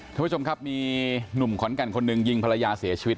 ท่านผู้ชมครับมีหนุ่มขอนแก่นคนหนึ่งยิงภรรยาเสียชีวิต